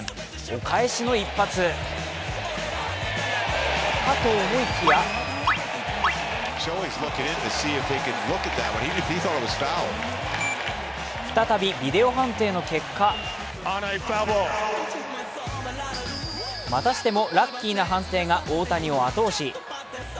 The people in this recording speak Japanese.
お返しの一発かと思いきや再びビデオ判定の結果またしてもラッキーな判定が大谷を後押し。